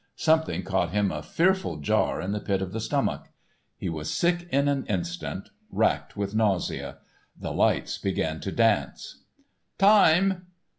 Something caught him a fearful jar in the pit of the stomach. He was sick in an instant, racked with nausea. The lights began to dance. "_Time!